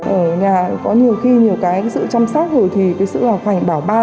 ở nhà có nhiều khi nhiều cái sự chăm sóc rồi thì cái sự là khoảnh bảo ba